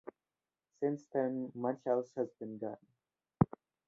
Since then much else has been done.